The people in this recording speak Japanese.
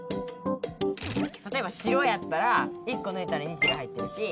たとえば白やったら１こぬいたら「日」が入ってるし。